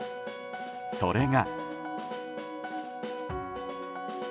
それが。